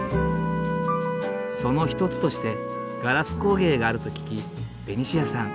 その一つとしてガラス工芸があると聞きベニシアさん